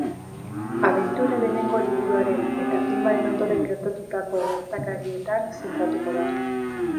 Abentura lehenengo liburuaren eta filmearen ondoren gertatutako gertakarietan zentratuko da.